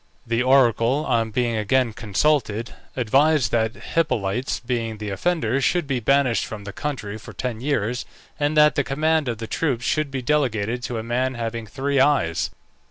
The oracle, on being again consulted, advised that Hippolytes, being the offender, should be banished from the country for ten years, and that the command of the troops should be delegated to a man having three eyes.